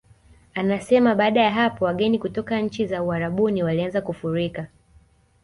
Anasema baada ya hapo wageni kutoka nchi za Uarabuni walianza kufurika